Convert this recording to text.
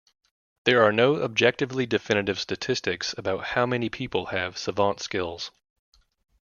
There are no objectively definitive statistics about how many people have savant skills.